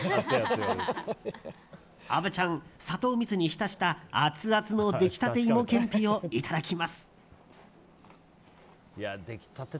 虻ちゃん、砂糖蜜に浸したアツアツの出来たて芋けんぴをいただきます。